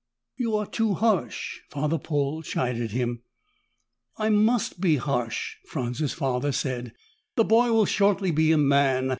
"You are too harsh," Father Paul chided him. "I must be harsh," Franz's father said. "The boy will shortly be a man.